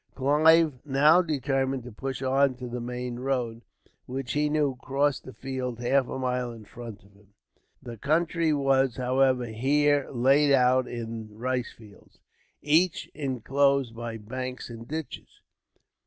Clive now determined to push on to the main road, which he knew crossed the fields half a mile in front of him. The country was, however, here laid out in rice fields, each inclosed by banks and ditches.